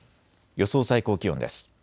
予想最高気温です。